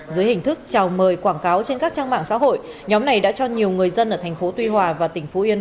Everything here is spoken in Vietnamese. dưới hình thức chào mời quảng cáo trên các trang mạng xã hội nhóm này đã cho nhiều người dân ở tp tuy hòa và tỉnh phú yên